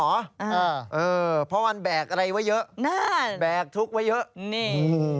เออเออเพราะมันแบกอะไรไว้เยอะได้แบกทุกข์ไว้เยอะนี่